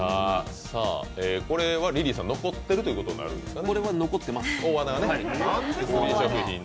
これはリリーさん残っているということになりますね。